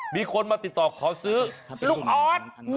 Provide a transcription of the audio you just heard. มีคนมาติดต่อขอซื้อลุงออส